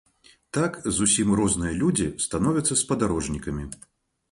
Так зусім розныя людзі становяцца спадарожнікамі.